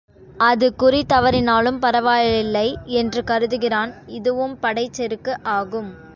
அது குறி தவறினாலும் பரவாயில்லை என்று கருதுகிறான் இதுவும் படைச் செருக்கு ஆகும்.